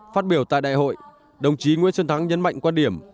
phát biểu tại đại hội đồng chí nguyễn xuân thắng nhấn mạnh quan điểm